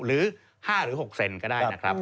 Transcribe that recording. หรือ๕หรือ๖เซนก็ได้นะครับ